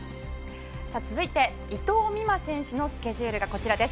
さあ続いて伊藤美誠選手のスケジュールがこちらです。